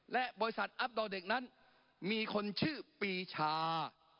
และบริษัทอัพดอลเด็กนั้นมีคนชื่อปีชา